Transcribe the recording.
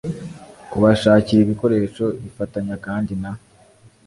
kubashakira ibikoresho Ifatanya kandi na